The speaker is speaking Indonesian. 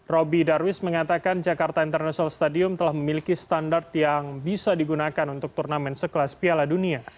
roby darwis mengatakan jakarta international stadium telah memiliki standar yang bisa digunakan untuk turnamen sekelas piala dunia